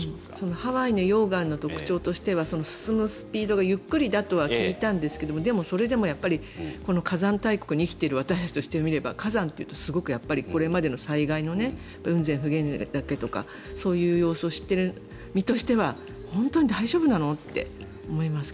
ハワイの溶岩の特徴としては進むスピードがゆっくりだとは聞いたんですがでも、それでも火山大国に生きている私たちにしてみれば火山というとすごくこれまでの災害の雲仙・普賢岳とかそういう様子を知ってる身としては本当に大丈夫なの？とは思いますね。